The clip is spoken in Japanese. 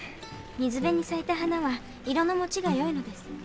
水辺に咲いた花は色のもちがよいのです。